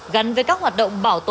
gắn với các hoạt động bảo tố